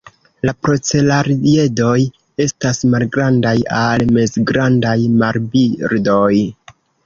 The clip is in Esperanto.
La procelariedoj estas malgrandaj al mezgrandaj marbirdoj.